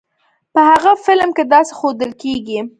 په هغه فلم کې داسې ښودل کېږی.